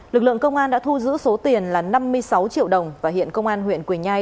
lực lượng công an đã thu giữ số tiền là năm mươi sáu triệu đồng và hiện công an huyện quỳnh nhai